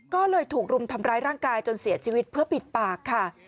ก็เลยถูกรุมทำร้ายร่างกายจนเสียชีวิตเพื่อปิดปากค่ะ